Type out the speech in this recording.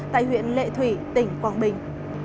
tại huyện lệ thủy tỉnh quảng bình